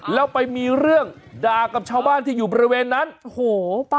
แล้วไปมีเรื่องด่ากับชาวบ้านที่อยู่บริเวณนั้นโอ้โห